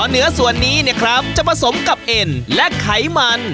เนื้อส่วนนี้เนี่ยครับจะผสมกับเอ็นและไขมัน